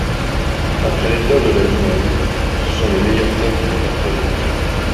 Après les terres de la Limagne, ce sont les meilleures terres du département.